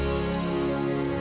kau mah kenapa